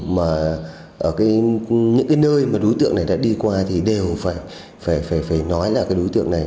mà những cái nơi mà đối tượng này đã đi qua thì đều phải nói là cái đối tượng này